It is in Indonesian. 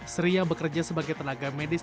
sri yang bekerja sebagai tenaga medis